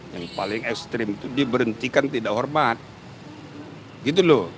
yang paling ekstrim itu diberhentikan tidak hormat gitu loh